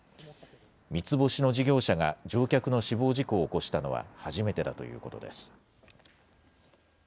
三つ星の事業者が乗客の死亡事故を起こしたのは初めてだということです。